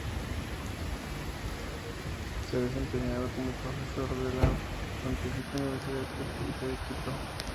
Se ha desempeñado como profesor de la Pontificia Universidad Católica de Quito.